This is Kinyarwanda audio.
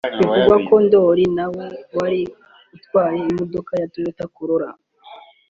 Bivugwa ko Ndoli na we wari utwaye imodoka ya Toyota Corolla